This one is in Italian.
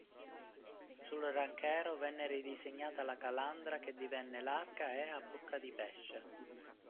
Sul Ranchero venne ridisegnata la calandra che divenne larga e a "bocca di pesce".